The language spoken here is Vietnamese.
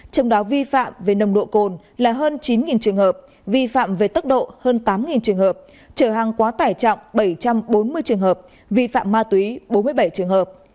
trong đó vi phạm về nồng độ cồn là hơn chín trường hợp vi phạm về tốc độ hơn tám trường hợp trở hàng quá tải trọng bảy trăm bốn mươi trường hợp vi phạm ma túy bốn mươi bảy trường hợp